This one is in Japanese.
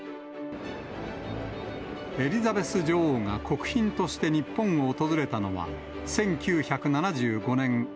エリザベス女王が国賓として日本を訪れたのは、１９７５年５月。